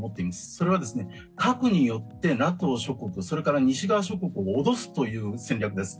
それは、核によってＮＡＴＯ諸国それから西側諸国を脅すという戦略です。